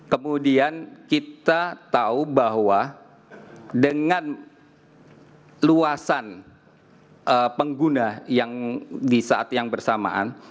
kemudian kita tahu bahwa dengan luasan pengguna yang di saat yang bersamaan